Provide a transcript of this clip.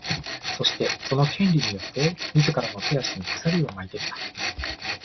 そして、その「権利」によって自らの手足に鎖を巻いてきた。